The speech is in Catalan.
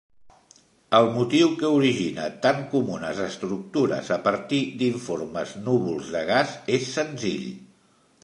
El motiu que origina tan comunes estructures a partir d'informes núvols de gas és senzill.